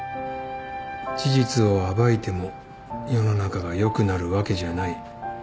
事実を暴いても世の中が良くなるわけじゃない。